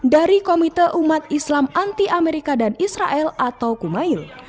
dari komite umat islam anti amerika dan israel atau kumail